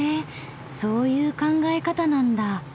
そういう考え方なんだ。